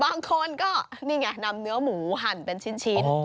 บางคนก็นี่ไงนำเนื้อหมูหั่นเป็นชิ้น